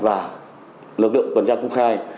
và lực lượng tuần tra công khai